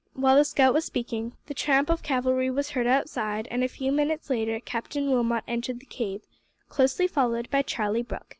While the scout was speaking, the tramp of cavalry was heard outside, and a few minutes later Captain Wilmot entered the cave, closely followed by Charlie Brooke.